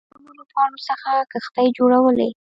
هغوی به د ونو له پاڼو څخه کښتۍ جوړولې